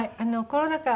コロナ禍